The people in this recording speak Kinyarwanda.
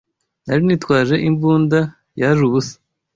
Nari nitwaje imbunda, yaje ubusa